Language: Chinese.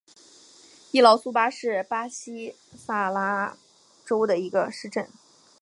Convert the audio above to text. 伊劳苏巴是巴西塞阿拉州的一个市镇。